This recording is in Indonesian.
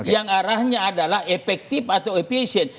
yang arahnya adalah efektif atau appeation